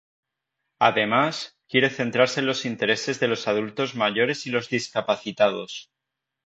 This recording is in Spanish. Además, quiere centrarse en los intereses de los adultos mayores y los discapacitados.